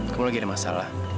kamu lagi ada masalah